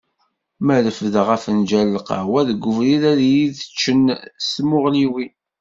Ma refdeɣ afenǧal n lqahwa deg ubrid ad iyi-d-ččen s tmuɣliwin.